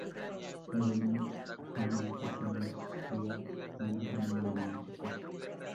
Evelyn Hamann pertenecía a una familia de músicos.